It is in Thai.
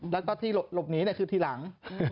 แล้วลบหนีคือทีหลัง